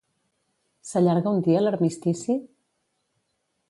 S'allarga un dia l'armistici?